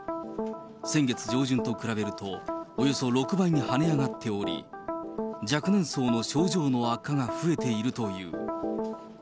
先月上旬と比べると、およそ６倍に跳ね上がっており、若年層の症状の悪化が増えているという。